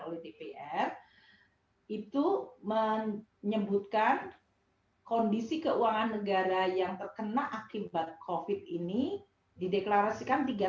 oleh dpr itu menyebutkan kondisi keuangan negara yang terkena akibat kofit ini dideklarasikan tiga